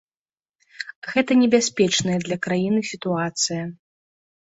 Гэта небяспечная для краіны сітуацыя.